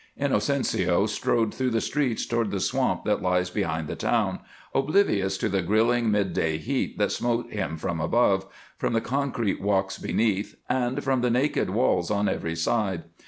Inocencio strode through the streets toward the swamp that lies behind the town, oblivious to the grilling midday heat that smote him from above, from the concrete walks beneath, and from the naked walls on every side.